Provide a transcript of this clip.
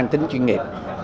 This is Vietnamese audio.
mang tính chuyên nghiệp